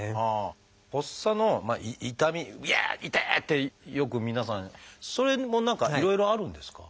発作の痛み「痛い！」ってよく皆さんそれも何かいろいろあるんですか？